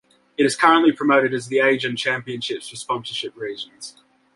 It is currently promoted as the Aegon Championships for sponsorship reasons.